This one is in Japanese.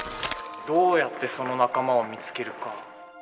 どうやってその仲間を見つけるか。